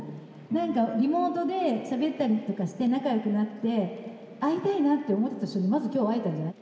何かリモートでしゃべったりとかして仲よくなって会いたいなって思ってた人にまず今日会えたんじゃない？